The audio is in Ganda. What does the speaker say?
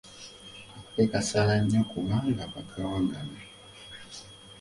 Akake kasalannyo kubanga baakawagala.